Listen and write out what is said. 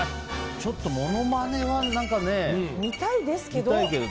ちょっと、ものまねは何かね見たいけど。